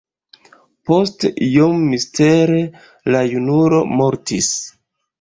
Poste, iom mistere, la junulo mortis.